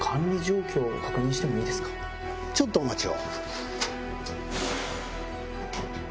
ちょっとお待ちを。